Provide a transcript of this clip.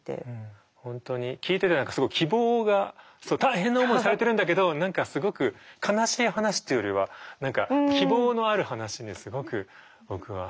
本当に聞いてて何かすごい希望が大変な思いされてるんだけど何かすごく悲しい話っていうよりは希望のある話にすごく僕は聞こえてくる。